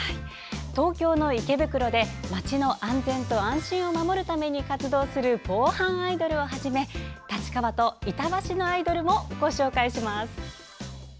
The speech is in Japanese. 東京の池袋で街の安全と安心を守るために活動する防犯アイドルをはじめ立川と板橋のアイドルもご紹介します！